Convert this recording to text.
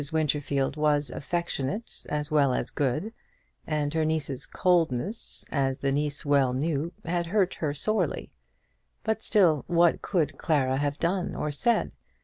Winterfield was affectionate as well as good, and her niece's coldness, as the niece well knew, had hurt her sorely. But still what could Clara have done or said?